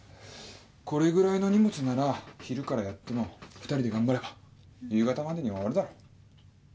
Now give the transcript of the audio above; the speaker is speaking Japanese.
これぐらいの荷物なら昼からやっても２人で頑張りゃ夕方までには終わるだろ。